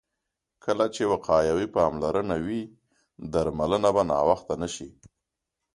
کله چې وقایوي پاملرنه وي، درملنه به ناوخته نه شي.